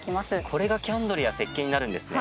これがキャンドルやせっけんになるんですね。